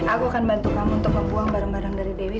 aku akan bantu kamu untuk membuang barang barang dari dewi